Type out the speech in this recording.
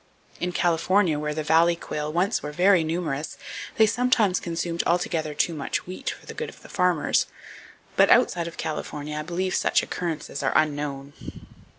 In California, where the valley quail once were very numerous, they sometimes consumed altogether too much wheat for the good of the farmers; but outside of California I believe such occurrences are unknown.